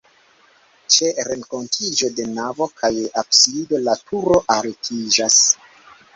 Ĉe renkontiĝo de navo kaj absido la turo altiĝas.